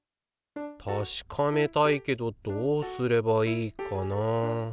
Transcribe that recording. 確かめたいけどどうすればいいかな。